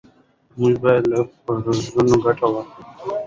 موږ باید له فرصتونو ګټه واخلو.